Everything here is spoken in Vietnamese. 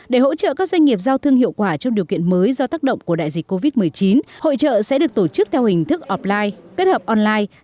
để hỗ trợ các doanh nghiệp giao thương hiệu quả trong điều kiện mới do tác động của đại dịch covid một mươi chín hội trợ sẽ được tổ chức theo hình thức offline kết hợp online